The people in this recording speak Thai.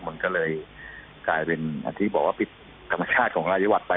มันก็เลยกลายเป็นที่บอกว่าผิดธรรมชาติของรายวัติไป